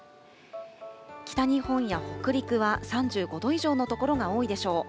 北日本や北陸は３５度以上の所が多いでしょう。